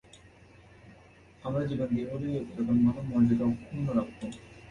আমরা জীবন দিয়ে হলেও এ পতাকার মান ও মর্যাদা অক্ষুন্ন রাখব।।